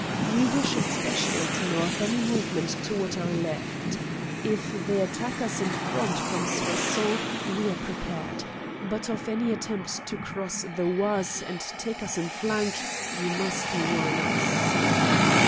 We wish especially to know of any movement toward our left. If they attack in front from Soissons, we are prepared; but of any attempt to cross the Oise and take us in flank you must warn us."